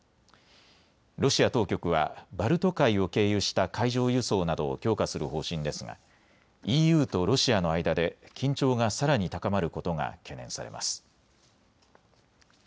ロシア当局はバルト海を経由した海上輸送などを強化する方針ですがＥＵとロシアの間で緊張がさらに高まることが懸念されます。